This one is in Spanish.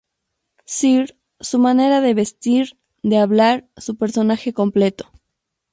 Cyr -su manera de vestir, de hablar, su personaje completo.